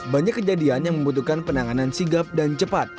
banyak kejadian yang membutuhkan penanganan sigap dan cepat